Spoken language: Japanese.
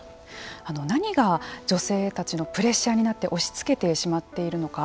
何が女性たちのプレッシャーになって押しつけてしまっているのか。